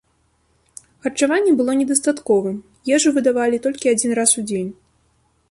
Харчаванне было недастатковым, ежу выдавалі толькі адзін раз у дзень.